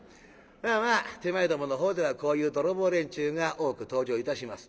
まあまあ手前どものほうではこういう泥棒連中が多く登場いたします。